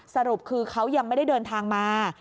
สรุปคือเขายังไม่ได้เดินทางมา